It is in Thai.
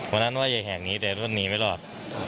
วันนั้นว่าจะแหกหนีแต่ว่าหนีไม่รอด